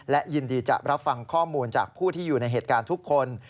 และยินดีจะรับฟังข้อมูลจากผู้ที่อยู่ในเหตุการณ์ทุกคน